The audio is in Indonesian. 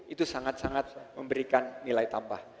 itu sangat sangat memberikan nilai tambah